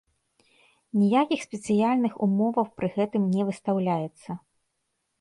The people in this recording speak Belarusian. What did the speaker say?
Ніякіх спецыяльных умоваў пры гэтым не выстаўляецца.